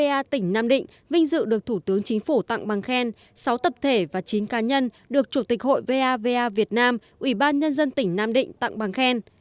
ba mươi a tỉnh nam định vinh dự được thủ tướng chính phủ tặng bằng khen sáu tập thể và chín cá nhân được chủ tịch hội vava việt nam ủy ban nhân dân tỉnh nam định tặng bằng khen